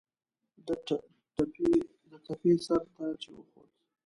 د تپې سر ته چې وخوت.